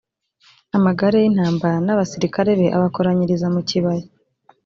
amagare y’ intambara n’ abasirikare be abakoranyiriza mu kibaya.